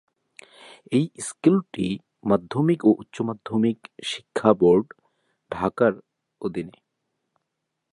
এই স্কুলটি মাধ্যমিক ও উচ্চমাধ্যমিক শিক্ষা বোর্ড, ঢাকা-র অধীনে।